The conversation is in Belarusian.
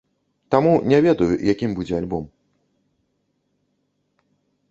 Таму не ведаю, якім будзе альбом.